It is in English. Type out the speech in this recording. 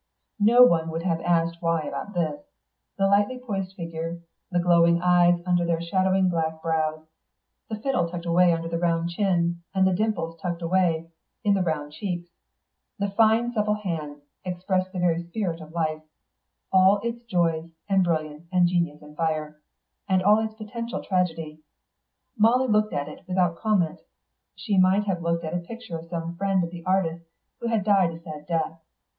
No one would have asked why about this; the lightly poised figure, the glowing eyes under their shadowing black brows, the fiddle tucked away under the round chin, and the dimples tucked away in the round cheeks, the fine supple hands, expressed the very spirit of life, all its joy and brilliance and genius and fire, and all its potential tragedy. Molly looked at it without comment, as she might have looked at a picture of some friend of the artist's who had died a sad death.